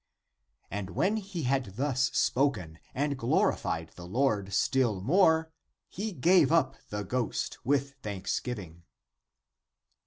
<And when he had thus spoken and glorified the Lord still more, he gave up the ghost > (p. 34) with thanks giving.